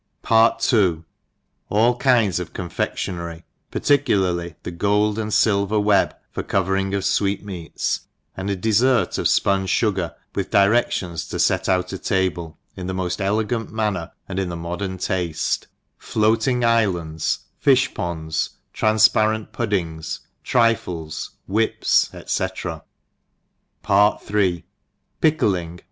PART II. All Kinds of Confec tionary, particularly the Gold and Silver Web for coTering of Sweet meats, and a Deflert of Spun Sugar with Direftions to fetout a Tables in the moft ele^nt Manner, and in the modern Tafte ; Floating Iflands, Fifh Ponds, TranTparent Puddings, Trifles, Whips, &c. PART III; Pickling.